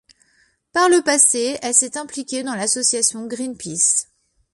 Par le passé, elle s'est impliquée dans l'association Greenpeace.